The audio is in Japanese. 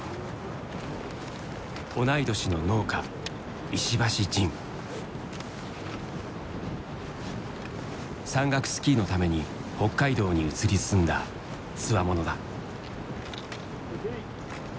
同い年の農家山岳スキーのために北海道に移り住んだつわものだ。